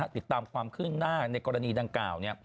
ติดตามความคืบหน้าในกรณีดังกล่าว